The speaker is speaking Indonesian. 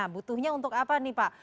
butuhnya untuk apa nih pak